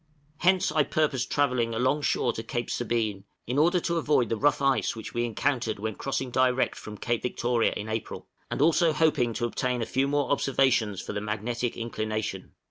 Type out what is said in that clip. Hence I purposed travelling alongshore to Cape Sabine, in order to avoid the rough ice which we encountered when crossing direct from Cape Victoria in April, and also hoping to obtain a few more observations for the magnetic inclination.